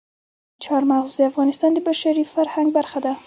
چار مغز د افغانستان د بشري فرهنګ برخه ده.